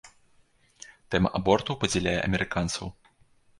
Тэма абортаў падзяляе амерыканцаў.